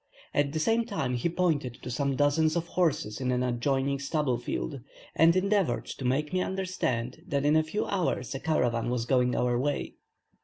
At the same time he pointed to some dozens of horses in an adjoining stubble field, and endeavoured to make me understand that in a few hours a caravan was going our way.